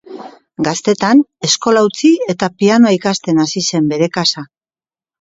Gaztetan, eskola utzi eta pianoa ikasten hasi zen bere kasa.